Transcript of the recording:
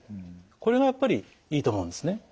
これがやっぱりいいと思うんですね。